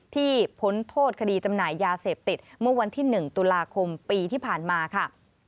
พ้นโทษคดีจำหน่ายยาเสพติดเมื่อวันที่๑ตุลาคมปีที่ผ่านมาค่ะ